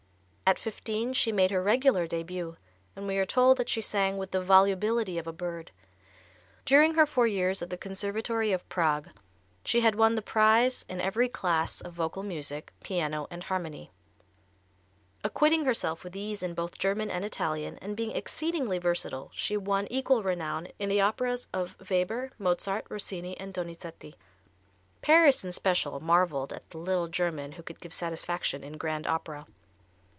At fifteen she made her regular début, and we are told that she sang "with the volubility of a bird." During her four years at the Conservatory of Prague she had won the prize in every class of vocal music, piano and harmony. Acquitting herself with ease in both German and Italian, and being exceedingly versatile, she won equal renown in the operas of Weber, Mozart, Rossini, and Donizetti. Paris, in special, marveled at the little German who could give satisfaction in Grand Opera.